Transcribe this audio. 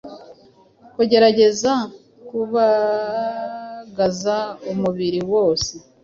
Kugerageza kubagaza umubiri wose